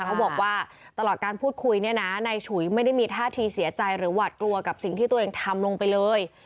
เขาบอกว่าตลอดการพูดคุยเนี่ยนะนายฉุยไม่ได้มีท่าทีเสียใจหรือหวาดกลัวกับสิ่งที่ตัวเองทำลงไปเลย